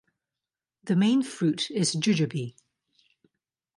The main fruit is jujube.